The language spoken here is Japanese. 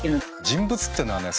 人物っていうのはね